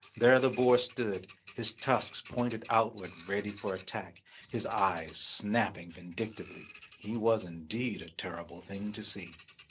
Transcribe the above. There the boar stood, his tusks pointed outward ready for attack, his eyes snapping vindictively. He was indeed a terrible thing to see.